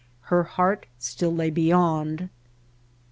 Her heart still lay beyond.